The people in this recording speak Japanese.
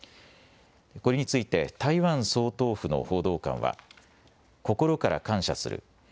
これについて台湾総統府の報道官は、心から感謝する。